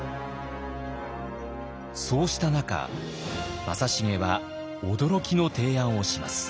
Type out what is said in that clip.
そうした中正成は驚きの提案をします。